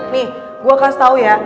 nih gue kasih tau ya